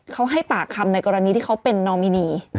เขาให้ปากคำในกรณีที่เขาเป็นนอมินี